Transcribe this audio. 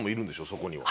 そこには。